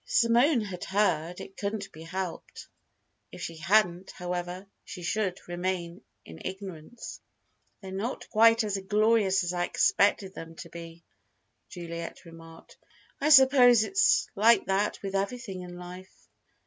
If Simone had heard, it couldn't be helped. If she hadn't, however, she should remain in ignorance. "They're not quite as glorious as I expected them to be," Juliet remarked. "I suppose it's like that with everything in life."